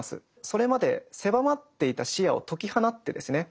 それまで狭まっていた視野を解き放ってですね